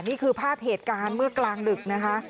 นี่คือภาพเหตุการณ์เมื่อกลางดึกนะคะ